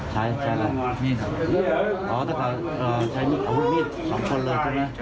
ใช้มีด๒คนเลย